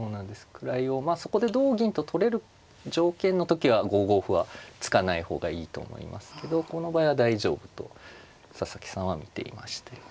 位をまあそこで同銀と取れる条件の時は５五歩は突かない方がいいと思いますけどこの場合は大丈夫と佐々木さんは見ていまして。